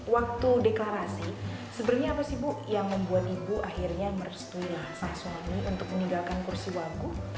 waktu deklarasi sebenarnya apa sih ibu yang membuat ibu akhirnya merestuinah sah suami untuk meninggalkan kursi wanggu